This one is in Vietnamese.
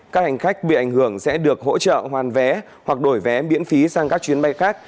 các hành khách bị ảnh hưởng sẽ được hỗ trợ hoàn vé hoặc đổi vé miễn phí sang các chuyến bay khác